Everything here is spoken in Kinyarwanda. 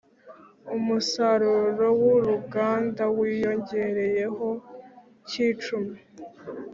umusaruro wuru ruganda wiyongereyeho kicumi